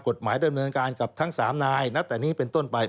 กฎหมายเดิมเหนินการกับทั้งสามนายนัดแต่นี่เป็นต้นไป